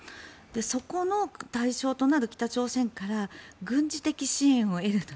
そこの対象となる北朝鮮から軍事的支援を得ると。